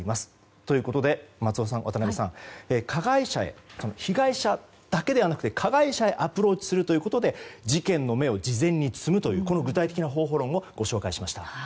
ということで松尾さん、渡辺さん被害者だけでなく加害者へアプローチすることで事件の芽を事前につむという具体的な方法論をご紹介しました。